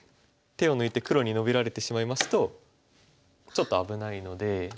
手を抜いて黒にノビられてしまいますとちょっと危ないので。